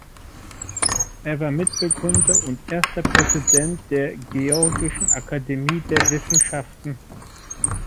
Er war Mitbegründer und erster Präsident der "Georgischen Akademie der Wissenschaften".